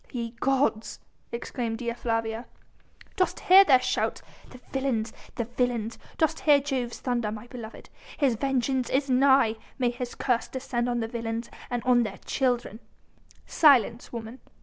"Ye gods!..." exclaimed Dea Flavia. "Dost hear their shouts? the villains! the villains! Dost hear Jove's thunder, my beloved? His vengeance is nigh! May his curse descend on the villains and on their children." "Silence, woman!"